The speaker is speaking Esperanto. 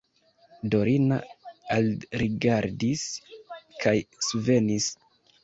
Dorina alrigardis kaj svenis.